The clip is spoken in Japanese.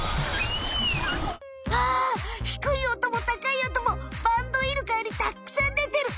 あ低いおとも高いおともバンドウイルカよりたっくさんでてる！